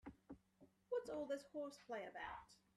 What's all this horseplay about?